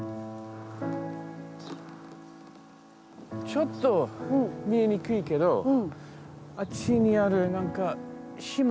ちょっと見えにくいけどあっちにある何か島み